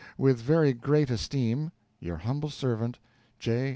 With very great esteem, your humble servant, J.